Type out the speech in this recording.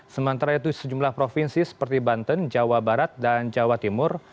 sementara itu sejumlah provinsi seperti banten jawa barat dan jawa timur